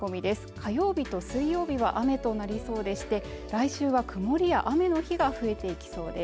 火曜日と水曜日は雨となりそうでして来週は曇りや雨の日が増えていきそうです